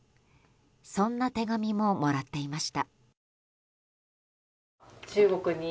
そんな手紙ももらっていました。